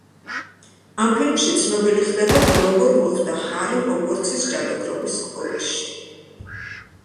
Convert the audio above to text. ამ ფილმში ცნობილი ხდება, თუ როგორ მოხვდა ჰარი ჰოგვორტსის ჯადოქრობის სკოლაში.